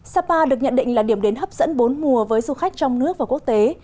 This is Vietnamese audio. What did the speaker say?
sapa được nhận định là điểm đến hấp dẫn bốn mùa với du khách trong nước và quốc tế